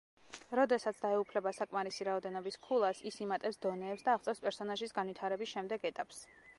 როდესაც დაეუფლება საკმარისი რაოდენობის ქულას, ის იმატებს დონეებს და აღწევს პერსონაჟის განვითარების შემდეგ ეტაპს.